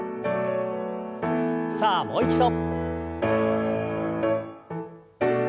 さあもう一度。